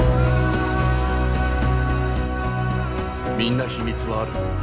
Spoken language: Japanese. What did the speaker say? みんな秘密はある。